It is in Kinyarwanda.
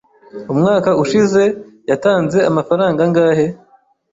Umwaka ushize yatanze amafaranga angahe?